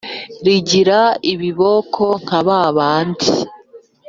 Rigira ibiboko nka ba bandi.